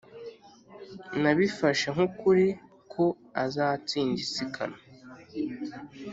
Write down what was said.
] nabifashe nk'ukuri ko azatsinda isiganwa.